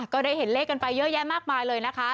ก็ได้เห็นเลขกันไปเยอะแยะมากมายเลยนะคะ